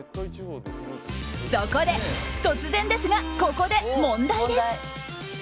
そこで突然ですがここで問題です！